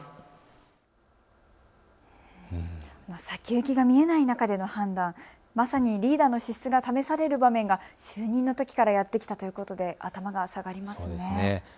先行きが見えない中での判断、まさにリーダーの資質が試される場面が就任のときからやってきたということで頭が下がりますね。